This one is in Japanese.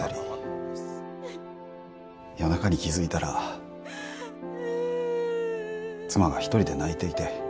夜中に気づいたら妻が一人で泣いていて。